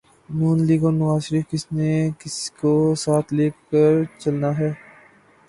نون league اور نوازشریف کس نے کس کو ساتھ لے کے چلنا ہے۔